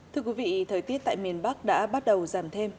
thưa quý vị thời tiết tại miền bắc đã bắt đầu giảm thêm